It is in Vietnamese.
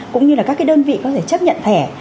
cũng như là các đơn vị có thể chấp nhận thẻ